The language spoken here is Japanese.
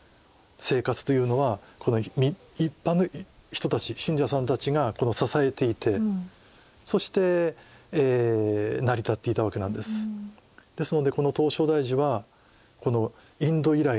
生活というのは一般の人たち信者さんたちが支えていてそして成り立っていたわけなんです。